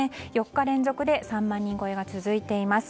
４日連続で３万人超えが続いています。